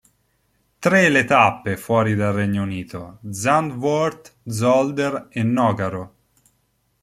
Tre le tappe fuori dal Regno Unito: Zandvoort, Zolder e Nogaro.